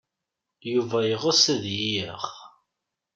Yuba yeɣs ad iyi-yaɣ.